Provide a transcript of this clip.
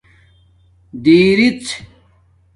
دِریڎ